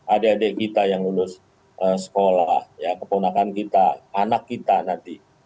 adik adik kita yang lulus sekolah keponakan kita anak kita nanti